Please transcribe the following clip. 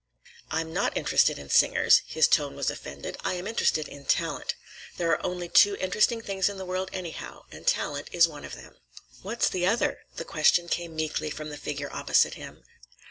"I'm not interested in singers." His tone was offended. "I am interested in talent. There are only two interesting things in the world, anyhow; and talent is one of them." "What's the other?" The question came meekly from the figure opposite him.